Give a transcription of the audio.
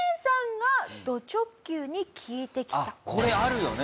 あっこれあるよね